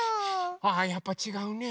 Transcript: ああやっぱちがうね。